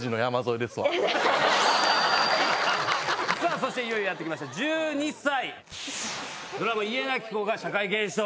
・そしていよいよやって来ました１２歳。